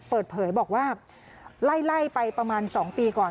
เปิดเผยบอกว่าไล่ไปประมาณ๒ปีก่อน